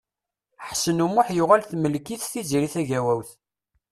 Ḥsen U Muḥ yuɣal temmlek-it Tiziri Tagawawt.